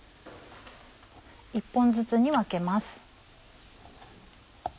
１本ずつに分けます。